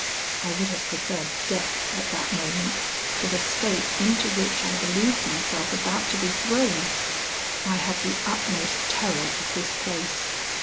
I would have preferred death, at that moment, to the state into which I believed myself about to be thrown. I had the utmost terror of this place.